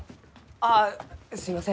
ああすみません